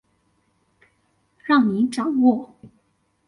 讓你掌握